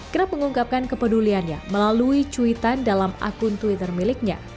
kerap mengungkapkan kepeduliannya melalui cuitan dalam akun twitter miliknya